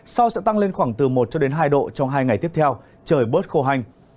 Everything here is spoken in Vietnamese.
sau sẽ tăng lên khoảng từ một cho đến hai độ trong hai ngày tiếp theo trời bớt khô hanh